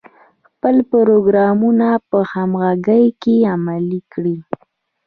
خپل پروګرامونه په همغږۍ کې عملي کړي.